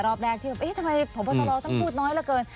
รอบแรกที่แบบเอ๊ะทำไมผมต้องลองต้องพูดน้อยละเกิน